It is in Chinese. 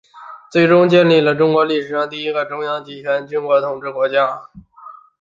最终建立了中国历史上第一个中央集权君主统治国家。